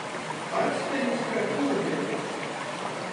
Actenis kai pūdzenis.